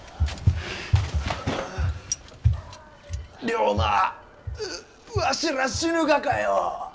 龍馬わしら死ぬがかよ。